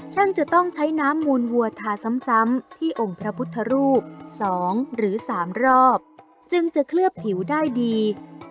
จะต้องใช้น้ำมูลวัวทาซ้ำที่องค์พระพุทธรูป๒หรือ๓รอบจึงจะเคลือบผิวได้ดี